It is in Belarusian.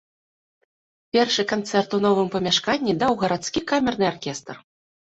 Першы канцэрт у новым памяшканні даў гарадскі камерны аркестр.